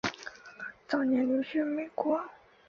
早年留学美国。